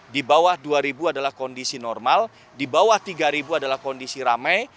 di bawah dua ribu adalah kondisi normal di bawah tiga adalah kondisi ramai